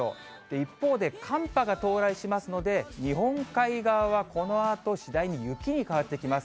一方で、寒波が到来しますので、日本海側は、このあと次第に雪に変わってきます。